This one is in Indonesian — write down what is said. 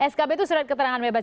skb itu surat keterangan bebas